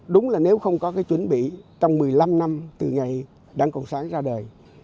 đúng là nếu không có cái chuẩn bị trong một mươi năm năm từ ngày đảng cộng sản ra đời